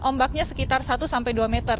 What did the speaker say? ombaknya sekitar satu sampai dua meter